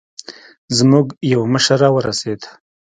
زموږ يو مشر راورسېد.